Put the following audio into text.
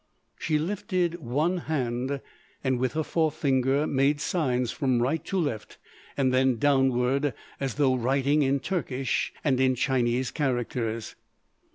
She lifted one hand and with her forefinger made signs from right to left and then downward as though writing in Turkish and in Chinese characters.